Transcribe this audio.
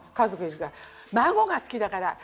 孫が好きだから。